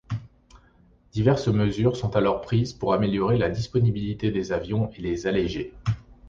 Diverses mesures sont alors prises pour améliorer la disponibilité des avions et les alléger.